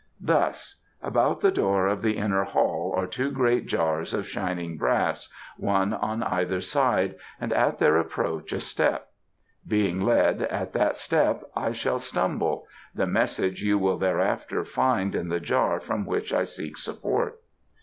"Thus: about the door of the inner hall are two great jars of shining brass, one on either side, and at their approach a step. Being led, at that step I shall stumble. ... the message you will thereafter find in the jar from which I seek support."